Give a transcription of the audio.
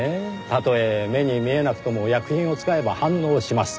たとえ目に見えなくとも薬品を使えば反応します。